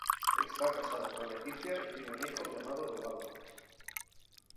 Está casado con Leticia y tiene un hijo llamado eduardo